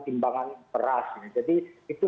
timbangan beras jadi itu